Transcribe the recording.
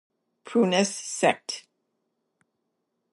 Prunus sect.